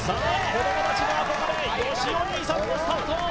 子供達の憧れよしお兄さんのスタート